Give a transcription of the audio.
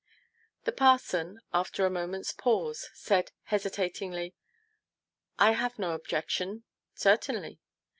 " The parson, after a moment's pause, said hesitatingly, " I have no objection ; certainly.